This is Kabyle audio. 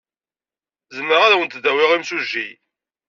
Zemreɣ ad awent-d-awiɣ imsujji.